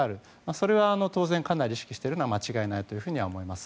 それは当然かなり意識しているのは間違いないと思います。